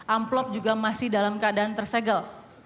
amplop juga masih dalam keadaan tersegel